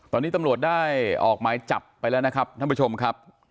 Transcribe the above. ตอนนี้ตำรวจได้ออกหมายจับไปแล้วนะครับท่านผู้ชมครับ